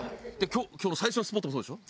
今日の最初のスポットもそうでしょ？